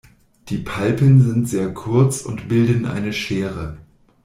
Die Palpen sind sehr kurz und bilden eine Schere.